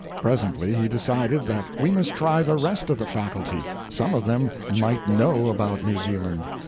Presently he decided that we must try the rest of the Faculty some of them might know about New Zealand.